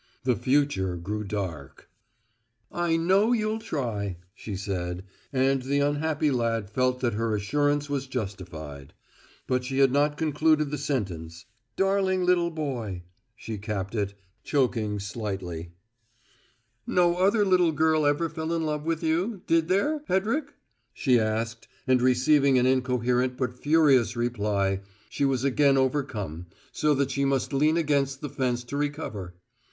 The future grew dark. "I know you'll try" she said; and the unhappy lad felt that her assurance was justified; but she had not concluded the sentence "darling little boy," she capped it, choking slightly. "No other little girl ever fell in love with you, did there, Hedrick?" she asked, and, receiving an incoherent but furious reply, she was again overcome, so that she must lean against the fence to recover.